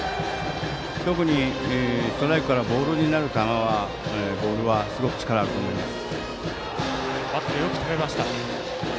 特にストライクからボールになるボールはすごく力あると思います。